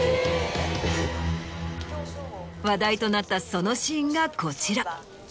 話題となったそのシーンがこちら。